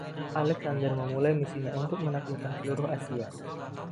Alexander memulai misinya untuk menaklukkan seluruh Asia.